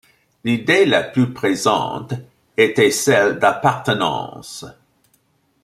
l'idée la plus présente était celle d'appartenance.